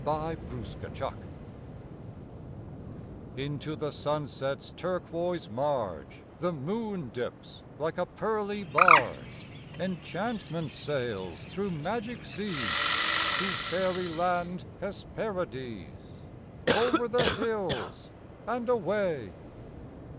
AT SUNSET Into the sunset's turquoise marge The moon dips, like a pearly barge Enchantment sails through magic seas, To fairyland Hesperides, Over the hills and away.